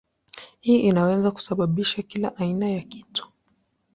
Hii inaweza kusababisha kila aina ya shida.